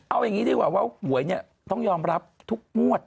เอาอย่างนี้ดีกว่าว่าหวยเนี่ยต้องยอมรับทุกงวด